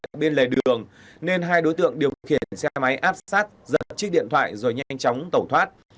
ở bên lề đường nên hai đối tượng điều khiển xe máy áp sát giật chiếc điện thoại rồi nhanh chóng tẩu thoát